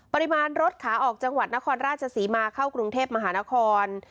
ปริมาณรถขาออกจังหวัดนครราชศรีมาเข้ากรุงเทพมหานคร